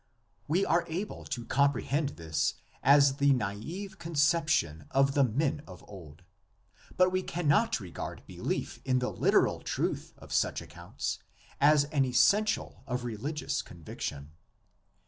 We are able to comprehend this as the naive conception of the men of old, but we cannot regard belief in the literal truth of such accounts as an essential of religious conviction.